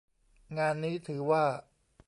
งานนี้ถือว่า